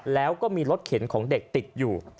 แล้วก็มีรถเข็นของเด็กติดอยู่